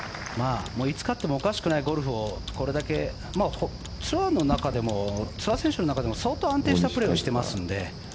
いつ勝ってもおかしくないゴルフをこれだけ、ツアー選手の中でも相当安定したプレーをしていますので。